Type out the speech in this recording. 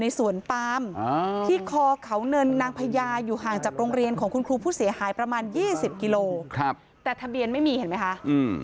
สวนปามที่คอเขาเนินนางพญาอยู่ห่างจากโรงเรียนของคุณครูผู้เสียหายประมาณยี่สิบกิโลครับแต่ทะเบียนไม่มีเห็นไหมคะอืม